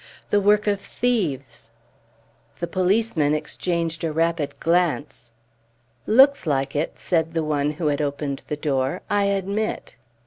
"The work of thieves!" The policemen exchanged a rapid glance. "Looks like it," said the one who had opened the door, "I admit."